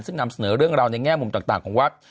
เหนือเรื่องราวในแง่มุมต่างของวัด